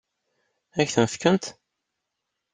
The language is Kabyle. Ad k-ten-fkent?